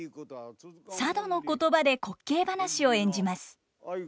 佐渡の言葉で滑稽話を演じます。